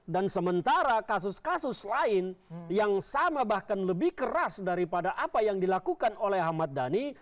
dan sementara kasus kasus lain yang sama bahkan lebih keras daripada apa yang dilakukan oleh ahmad dhani